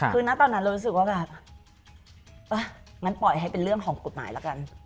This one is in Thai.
คือณตอนนั้นเรารู้สึกว่าแบบงั้นปล่อยให้เป็นเรื่องของกฎหมายละกัน